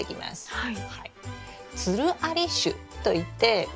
はい。